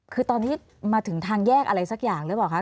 คือตอนนี้มาถึงทางแยกอะไรสักอย่างหรือเปล่าคะ